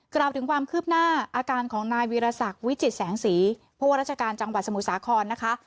กล่าวถึงความคืบหน้าอาการของนายวีรศักดิ์วิจิตแสงสีผู้ว่าราชการจังหวัดสมุทรสาครนะคะ